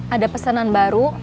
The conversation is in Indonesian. ada pesanan baru